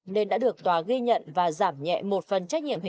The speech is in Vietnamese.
nên đã được tòa ghi nhận